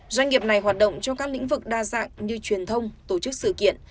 doanh nghiệp này hoạt động trong các lĩnh vực đa dạng như truyền thông tổ chức sự kiện